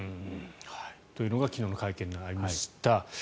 というのが昨日の会見でありました。